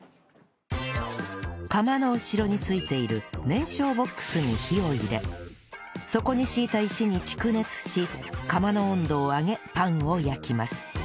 窯の後ろについている燃焼ボックスに火を入れそこに敷いた石に蓄熱し窯の温度を上げパンを焼きます